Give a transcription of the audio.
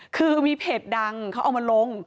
คือมีเพจดังเขาเอามาลง